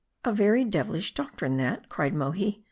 " A very devilish doctrine that," cried Mohi.